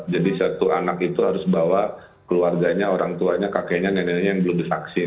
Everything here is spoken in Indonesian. jadi satu anak itu harus bawa keluarganya orang tuanya kakeknya neneknya yang belum divaksin